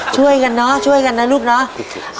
ช่วยกันเนอะช่วยกันนะลูกเนาะ